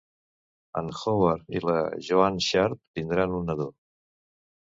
En Howard i la Joanne Sharp tindran un nadó.